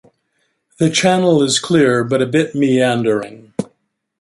The channel is clear, but a bit meandering.